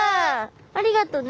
ありがとうね。